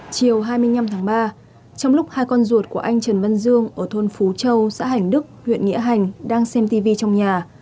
chiều hai mươi năm tháng ba trong lúc hai con ruột của anh trần văn dương ở thôn phú châu xã hành đức huyện nghĩa hành đang xem tv trong nhà